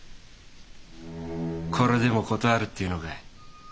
これでも断るっていうのかい？